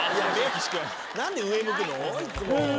何で上向くの？